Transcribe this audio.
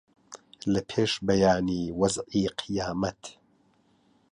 لە پێش بەیانی وەزعی قیامەت